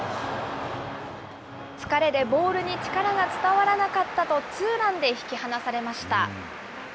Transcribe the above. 疲れでボールに力が伝わらなかったと、ツーランで引き離されました。